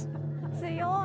強い。